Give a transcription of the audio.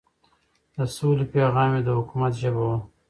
د سولې پيغام يې د حکومت ژبه وه.